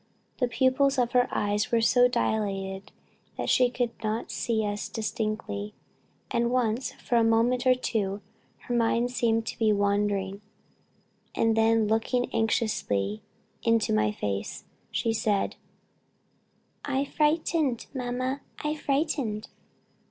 The pupils of her eyes were so dilated that she could not see us distinctly, and once, for a moment or two, her mind seemed to be wandering; then looking anxiously into my face, she said: 'I frightened, mamma! I frightened!'